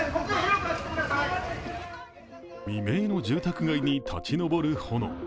未明の住宅街に立ち上る炎。